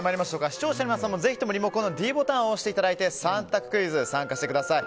視聴者の皆さんもぜひともリモコンのｄボタンを押していただいて３択クイズに参加してください。